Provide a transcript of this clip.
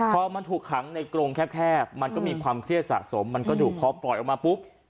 พอมันถูกขังในกรงแคบมันก็มีความเครียดสะสมมันก็ดุพอปล่อยออกมาปุ๊บ